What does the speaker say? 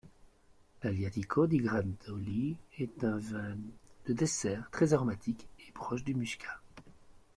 L'Aleatico di Gradoli est un vin de dessert très aromatique et proche du muscat.